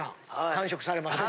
完食されましたね。